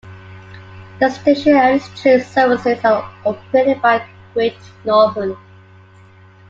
The station and its train services are operated by Great Northern.